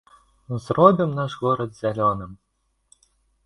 Зробім наш горад зялёным!